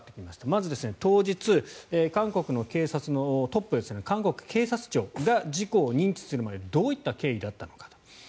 まず、当日韓国の警察のトップ韓国警察庁が事故を認知するまでどういった経緯だったのか。